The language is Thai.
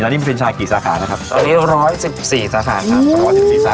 แล้วนี่เป็นชายกี่สาขานะครับตอนนี้ร้อยสิบสี่สาขาครับ